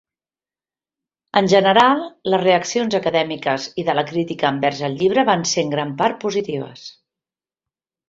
En general, les reaccions acadèmiques i de la crítica envers el llibre van ser en gran part positives.